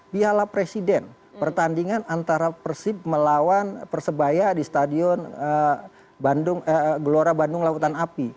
piala presiden pertandingan antara persib melawan persebaya di stadion gelora bandung lautan api